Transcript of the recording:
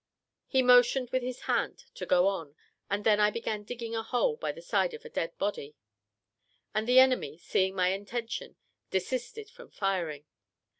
He motioned with his hand to go on, and I then began digging a hole by the side of a dead body, and the enemy, seeing my intention, desisted from firing.